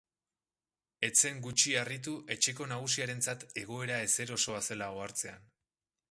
Ez zen gutxi harritu etxeko nagusiarentzat egoera ezerosoa zela ohartzean.